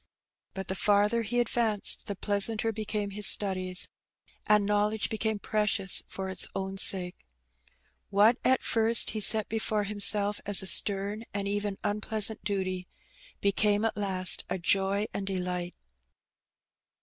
But the farther he advanced the pleasanter became his studies, and knowledge became precious for its own sake. What at first he set before himself as a stern and even unpleasant duty, became at last a joy and delight.